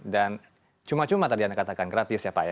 dan cuma cuma tadi anda katakan gratis ya pak ya